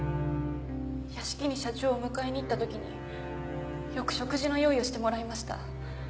屋敷に社長をお迎えに行った時によく食事の用意をしてもらいました。